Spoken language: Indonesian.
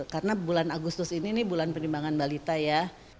karena bulan agustus ini ini bulan penimbangan balita ya